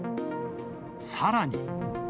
さらに。